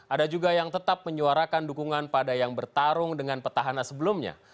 ada juga yang tetap menyuarakan dukungan pada yang bertarung dengan petahana sebelumnya